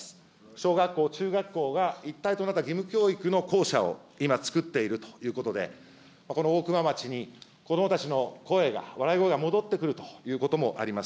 小学校、中学校が一体となった義務教育の校舎を今作っているということで、この大熊町に子どもたちの声が、笑い声が戻ってくるということもあります。